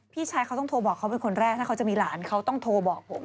พี่ชายเขาต้องโทรบอกเขาเป็นคนแรกถ้าเขาจะมีหลานเขาต้องโทรบอกผม